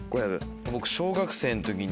僕。